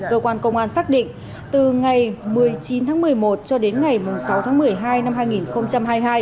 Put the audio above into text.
cơ quan công an xác định từ ngày một mươi chín tháng một mươi một cho đến ngày sáu tháng một mươi hai năm hai nghìn hai mươi hai